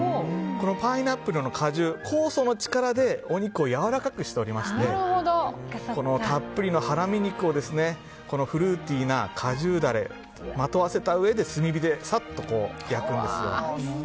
パイナップルの果汁、酵素の力でお肉をやわらかくしておりましてたっぷりのハラミ肉をフルーティーな果汁ダレをまとわせたうえで炭火でサッと焼くんですよ。